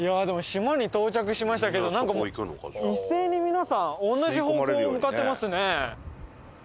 島に到着しましたけどなんかもう一斉に皆さん同じ方向向かってますね。